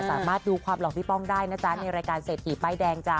สามารถดูความหล่อพี่ป้องได้นะจ๊ะในรายการเศรษฐีป้ายแดงจ้ะ